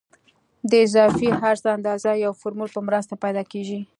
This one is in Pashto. د اضافي عرض اندازه د یو فورمول په مرسته پیدا کیږي